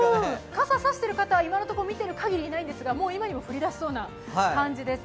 傘差している方は今のところいないんですがもう今にも降り出しそうな感じです。